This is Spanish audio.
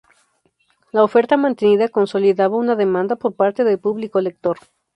La oferta mantenida consolidaba una demanda por parte del público lector.